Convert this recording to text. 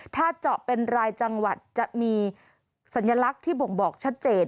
ถ้าเจาะเป็นรายจังหวัดจะมีสัญลักษณ์ที่บ่งบอกชัดเจน